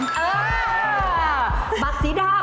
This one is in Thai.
ถูกสอบได้เลยเมื่อคำ